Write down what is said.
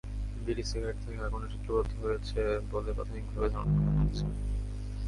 বিড়ি সিগারেট থেকে আগুনের সূত্রপাত হয়েছে বলে প্রাথমিকভাবে ধারণা করা হচ্ছে।